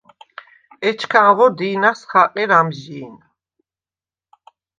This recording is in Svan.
ეჩქანღო დი̄ნას ხაყერ ამჟი̄ნ.